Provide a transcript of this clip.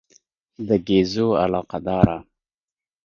د ګېزو علاقه داره.